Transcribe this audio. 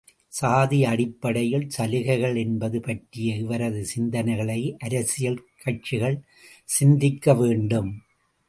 சாதி அடிப்படையில் சலுகைகள் என்பது பற்றிய இவரது சிந்தனைகளை அரசியல் கட்சிகள் சிந்திக்க வேண்டும்.